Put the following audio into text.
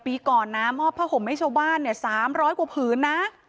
ปีก่อนพระห่มแม่ชาวบ้าน๓๐๐กว่าผืนนะ